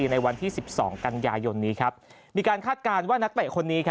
ในวันที่๑๒กันยายนนี้ครับมีการคาดการณ์ว่านักเตะคนนี้